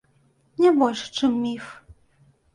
Не больш, чым міф.